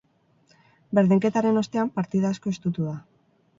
Berdinketaren ostean, partida asko estutu da.